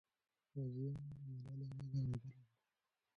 غازیانو د ملالۍ اواز اورېدلی وو.